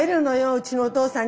うちのお父さんに。